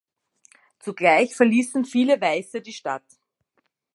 Zugleich verließen viele Weiße die Stadt.